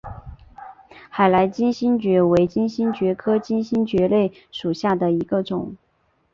海南金星蕨为金星蕨科金星蕨属下的一个种。